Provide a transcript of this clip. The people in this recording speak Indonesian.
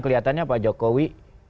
kelihatannya pak jokowi